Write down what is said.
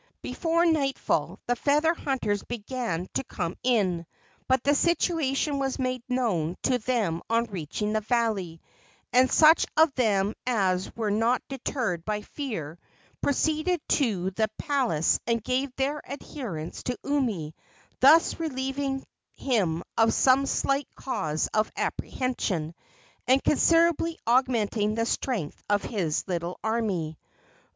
Before nightfall the feather hunters began to come in; but the situation was made known to them on reaching the valley, and such of them as were not deterred by fear proceeded to the palace and gave their adherence to Umi, thus relieving him of some slight cause of apprehension, and considerably augmenting the strength of his little army.